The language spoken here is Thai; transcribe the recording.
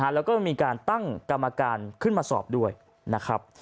แล้วก็มีการตั้งกรรมการขึ้นมาสอบด้วยนะครับ